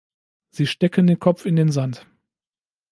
Sie stecken den Kopf in den Sand.